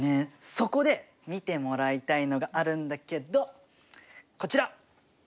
そこで見てもらいたいのがあるんだけどこちら！